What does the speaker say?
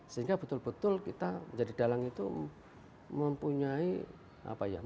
sehingga betul betul kita menjadi dalang itu mempunyai apa ya